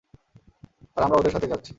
আর আমরা ওদের সাথেই যাচ্ছি।